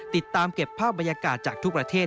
ติดตามเก็บภาพบรรยากาศจากทุกประเทศ